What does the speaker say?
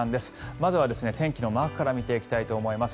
まずは天気のマークから見ていきたいと思います。